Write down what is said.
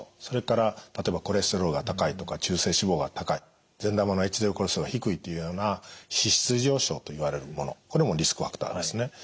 それから例えばコレステロールが高いとか中性脂肪が高い善玉のＨＤＬコレステロールが低いというような脂質異常症といわれるものこれもリスクファクターですね。